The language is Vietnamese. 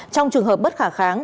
trong trường hợp bất khả kháng